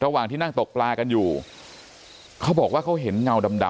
ระหว่างที่นั่งตกปลากันอยู่เขาบอกว่าเขาเห็นเงาดำ